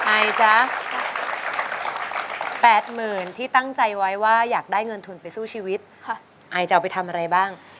ไอจ๊ะ๘๐๐๐ที่ตั้งใจไว้ว่าอยากได้เงินทุนไปสู้ชีวิตไอจะเอาไปทำอะไรบ้าง